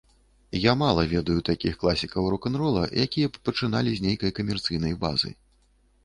Я мала ведаю такіх класікаў рок-н-рола, якія б пачыналі з нейкай камерцыйнай базы.